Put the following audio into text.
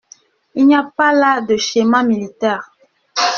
Il n’y a pas là de schéma militaire.